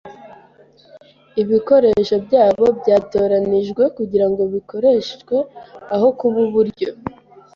Ibikoresho byabo byatoranijwe kugirango bikoreshwe aho kuba uburyo.